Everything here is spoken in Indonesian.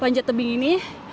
panjat tebing ini